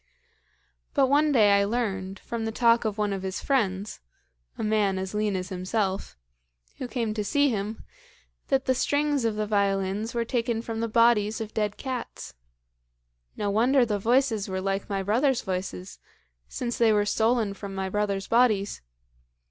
But one day I learned, from the talk of one of his friends (a man as lean as himself) who came to see him, that the strings of the violins were taken from the bodies of dead cats. No wonder the voices were like my brothers' voices, since they were stolen from my brothers' bodies.